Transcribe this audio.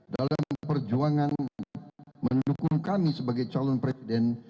dalam perjuangan mendukung kami sebagai calon presiden